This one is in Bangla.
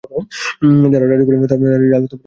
যাহারা রজোগুণী, তাহারা ঝাল ও ঝাঁজযুক্ত খাদ্য পছন্দ করে।